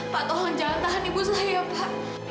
pak tolong jangan tahan ibu saya pak